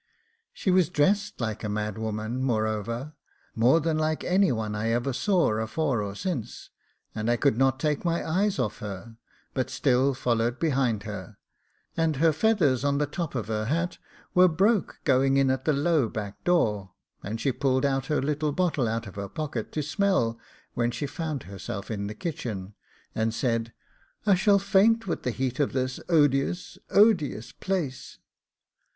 She was dressed like a mad woman, moreover, more than like any one I ever saw afore or since, and I could not take my eyes off her, but still followed behind her; and her feathers on the top of her hat were broke going in at the low back door and she pulled out her little bottle out of her pocket to smell when she found herself in the kitchen, and said, 'I shall faint with the heat of this odious, odious place.